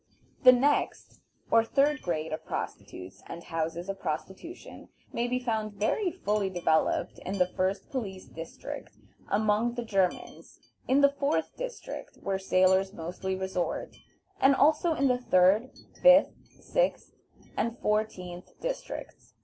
The next, or third grade of prostitutes and houses of prostitution may be found very fully developed in the first police district, among the Germans; in the fourth district, where sailors mostly resort; and also in the third, fifth, sixth, and fourteenth districts.